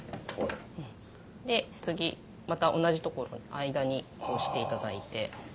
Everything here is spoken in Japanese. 次また同じ所を間に通していただいて。